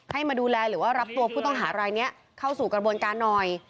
มาดูแลหรือว่ารับตัวผู้ต้องหารายนี้เข้าสู่กระบวนการหน่อย